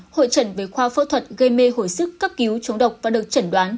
hội trần với khoa phẫu thuật gây mê hồi sức cấp cứu chống độc và được trần đoán